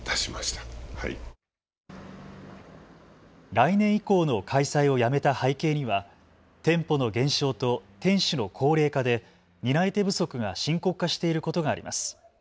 来年以降の開催をやめた背景には店舗の減少と店主の高齢化で担い手不足が深刻化していることがあります。